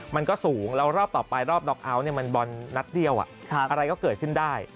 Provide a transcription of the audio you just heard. แล้วรอบต่อไปรอบด็อกอัลมันบอลนัดเดียวอะไรก็เกิดขึ้นได้